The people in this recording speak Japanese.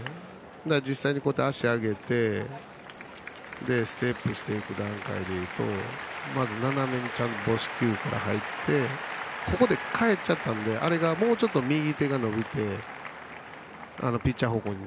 実際に足を上げてステップしていく段階でまず斜めに入って早く返っちゃったのであれがもうちょっと右手が伸びるとピッチャー方向に。